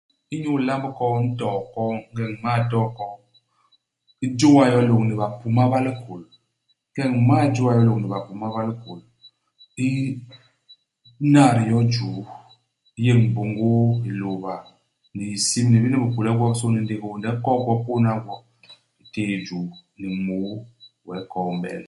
Inyu ilamb koo, u ntoo koo. Ingeñ u m'mal too koo, u jôa yo lôñni bapuma ba likôl. Ingeñ u m'mal jôa yo ni bapuma ba likôl, u n'nat yo i juu. U yéñ mbôngôô, hilôba, ni hisim ni bini bikule gwobisô, ni ndék hiônde. U kok gwo, u pôdna gwo. U téé i juu, ni môô. Wee koo i m'bel.